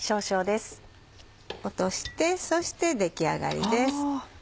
落としてそして出来上がりです。